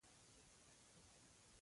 وسله د سبق الفاظ له ذهنه باسي